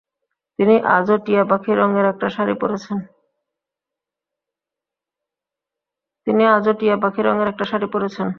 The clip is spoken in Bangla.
তিনি আজও টিয়াপাখি রঙের একটা শাড়ি পরেছেন।